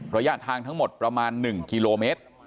ระยะทางทั้งหมดประมาณ๑กิโลเมตร